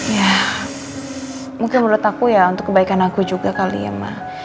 ya mungkin menurut aku ya untuk kebaikan aku juga kali ya